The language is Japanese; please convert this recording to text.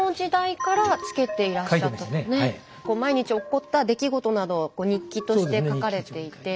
毎日起こった出来事などを日記として書かれていて。